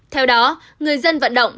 theo đó người dân vận động